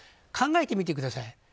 考えてみてください。